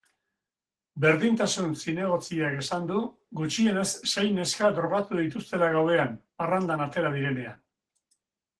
Berdintasun zinegotziak esan du gutxienez sei neska drogatu dituztela gauean parrandan atera direnean.